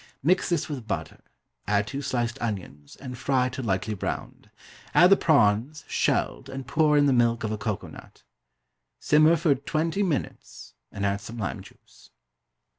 Mix this with butter, add two sliced onions, and fry till lightly browned. Add the prawns, shelled, and pour in the milk of a cocoa nut. Simmer for twenty minutes, and add some lime juice.